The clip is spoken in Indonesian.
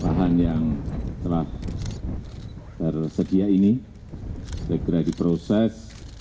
bahan yang telah tersedia ini segera diproses